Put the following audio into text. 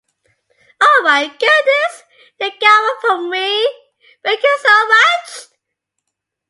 Oh my goodness! You got one for me! Thank you so much.